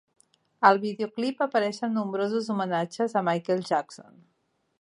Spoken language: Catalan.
Al videoclip apareixen nombrosos homenatges a Michael Jackson.